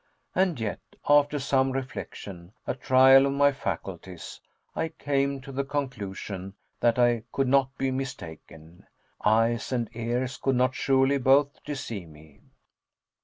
And yet after some reflection, a trial of my faculties, I came to the conclusion that I could not be mistaken. Eyes and ears could not surely both deceive me.